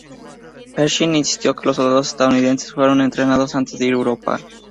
Pershing insistió en que los soldados estadounidenses fueran entrenados antes de ir a Europa.